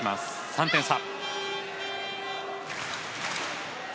３点差。